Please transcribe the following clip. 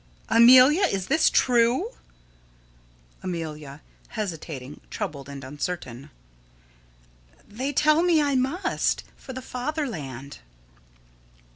Amelia, is this true? Amelia: [Hesitating, troubled, and uncertain.] They tell me I must for the fatherland.